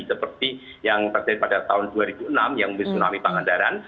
seperti yang terjadi pada tahun dua ribu enam yang memiliki tsunami pangandaran